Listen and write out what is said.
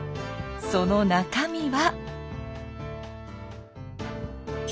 その中身は。